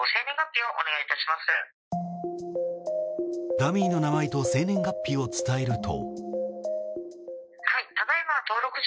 ダミーの名前と生年月日を伝えると。